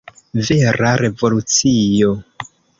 Vera revolucio!